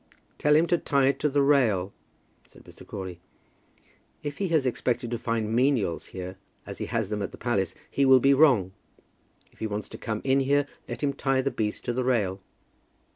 "Tell him to tie it to the rail," said Mr. Crawley. "If he has expected to find menials here, as he has them at the palace, he will be wrong. If he wants to come in here, let him tie the beast to the rail."